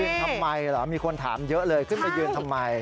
ทำไมเหรอมีคนถามเยอะเลยขึ้นไปยืนทำไม